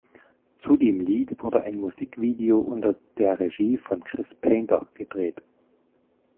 Zu dem Lied wurde ein Musikvideo unter der Regie von Chris Painter gedreht.